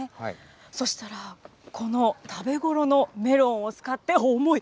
そうしたらこの食べ頃のメロンを使って、重い。